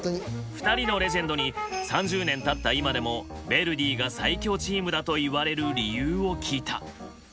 ２人のレジェンドに３０年たった今でもヴェルディが最強チームだといわれる理由を聞いた。